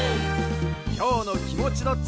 きょうのきもちどっち